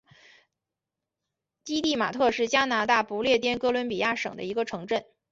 基蒂马特是加拿大不列颠哥伦比亚省的一个城镇。